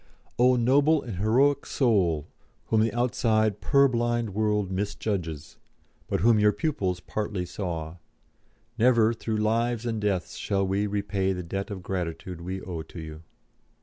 O noble and heroic Soul, whom the outside purblind world misjudges, but whom your pupils partly saw, never through lives and deaths shall we repay the debt of gratitude we owe to you.